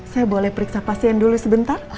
saya boleh periksa pasien dulu sebentar